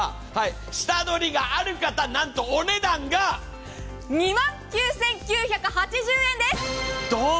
下取りがある方、なんとお値段が２万９９８０円です。